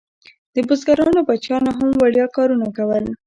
د بزګرانو بچیانو هم وړیا کارونه کول.